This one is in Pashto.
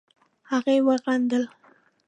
هغې وخندل.